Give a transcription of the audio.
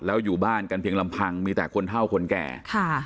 แล้วอยู่บ้านกันเพียงลำพังมีแต่คนเท่าคนแก่ค่ะ